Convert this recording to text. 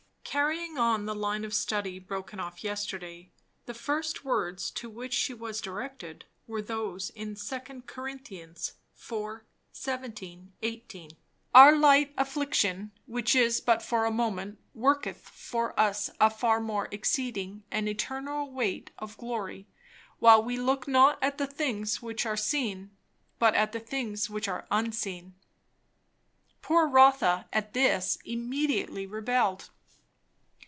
Carrying on the line of study broken off yesterday, the first words to which she was directed were those in 2 Cor. iv. 17, 18. "Our light affliction, which is but for a moment, worketh for us a far more exceeding and eternal weight of glory; while we look not at the things which are seen, but at the things which are unseen " Poor Rotha at this immediately rebelled.